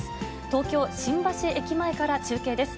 東京・新橋駅前から中継です。